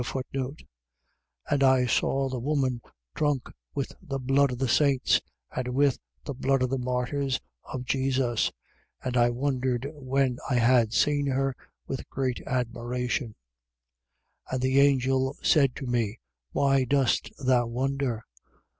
And I saw the woman drunk with the blood of the saints and with the blood of the martyrs of Jesus. And I wondered, when I had seen her, with great admiration. 17:7. And the angel said to me: Why dost thou wonder?